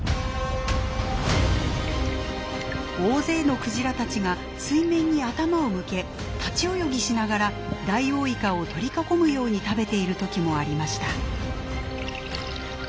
大勢のクジラたちが水面に頭を向け立ち泳ぎしながらダイオウイカを取り囲むように食べている時もありました。